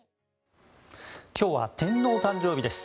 今日は天皇誕生日です。